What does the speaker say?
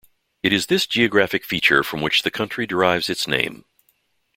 It is this geographic feature from which the county derives its name.